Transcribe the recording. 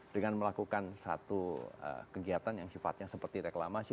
dengan melakukan satu kegiatan yang sifatnya seperti reklamasi